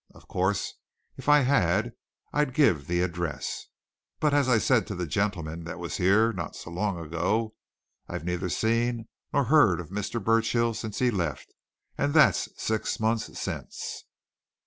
Of course, if I had I'd give the address. But, as I said to the gentleman what was here not so long ago, I've neither seen nor heard of Mr. Burchill since he left and that's six months since."